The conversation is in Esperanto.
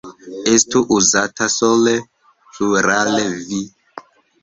Estu uzata sole plurale "vi".